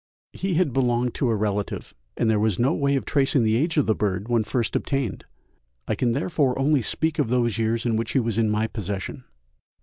He had belonged to a relative, and there was no way of tracing the age of the bird when first obtained; I can therefore only speak of those years in which he was in my possession.